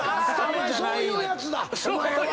そういうやつだお前は。